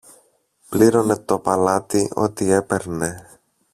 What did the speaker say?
πλήρωνε το παλάτι ό,τι έπαιρνε.